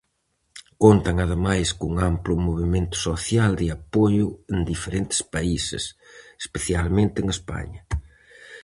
Contan ademais cun amplo movemento social de apoio en diferentes países, especialmente en España.